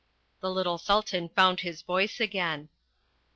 The little Sultan found his voice again.